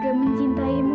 aku juga mencintaimu